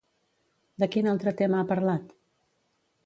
De quin altre tema ha parlat?